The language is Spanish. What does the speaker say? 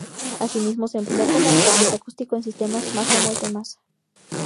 Asimismo se emplea como absorbente acústico en sistemas "masa-muelle-masa".